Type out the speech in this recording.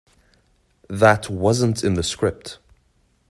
That wasn't in the script.